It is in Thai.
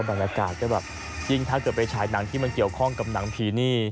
บรรยากาศก็แบบยิ่งถ้าเกิดไปฉายหนังที่มันเกี่ยวข้องกับหนังผีนี่